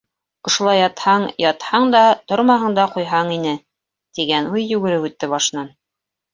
«Ошолай ятһаң, ятһаң да... тормаһаң да ҡуйһаң ине!» - тигән уй йүгереп үтте башынан.